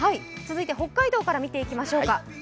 続いて、北海道から見ていきましょうか。